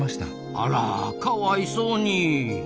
あらかわいそうに。